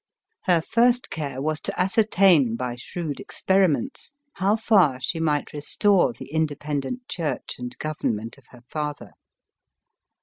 Her first care was to ascertain, by shrewd experi ments, how far she might restore the independent church and government of her father.